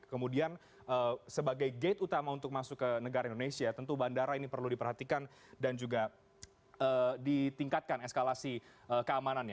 kemudian sebagai gate utama untuk masuk ke negara indonesia tentu bandara ini perlu diperhatikan dan juga ditingkatkan eskalasi keamanannya